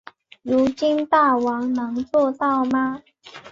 如今大王能做到吗？